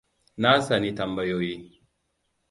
Na tsani tambayoyi.